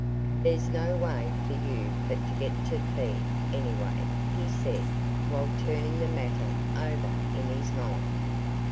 "There's no way for you but to get to P anyway," he said, while turning the matter over in his mind.